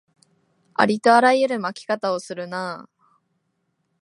ありとあらゆる負け方をするなあ